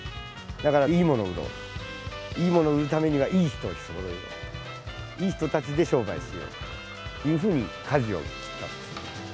だからいいものを売ろう、いいものを売るためにはいい人をそろえよう、いい人たちで商売をしようというふうにかじを切ったんですね。